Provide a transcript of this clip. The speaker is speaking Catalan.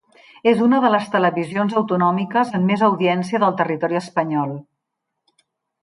És una de les televisions autonòmiques amb més audiència del territori espanyol.